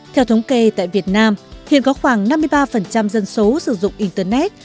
theo thống kê tại việt nam hiện có khoảng năm mươi ba dân số sử dụng internet